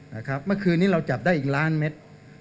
เมื่อคืนนี้เราจับได้อีกล้านเม็ด